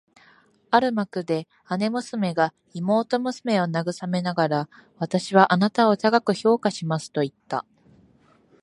ある幕で姉娘が妹娘を慰めながら、「私はあなたを高く評価します」と言った